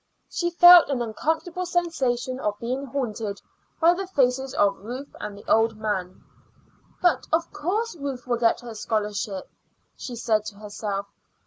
She felt an uncomfortable sensation of being haunted by the faces of Ruth and the old man. "But of course Ruth will get her scholarship," she said to herself.